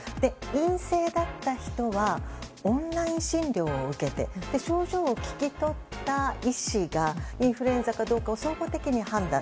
陰性だった人はオンライン診療を受けて症状を聞き取った医師がインフルエンザかどうかを総合的に判断。